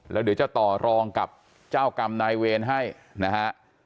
แล้วเดี๋ยวจะต่อรองกับเจ้ากรรมนายเวรให้นะฮะ